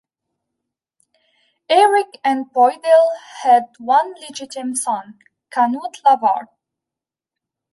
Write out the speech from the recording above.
Eric and Boedil had one legitimate son, Canute Lavard.